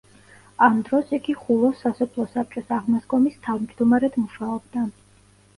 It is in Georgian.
ამ დროს იგი ხულოს სასოფლო საბჭოს აღმასკომის თავმჯდომარედ მუშაობდა.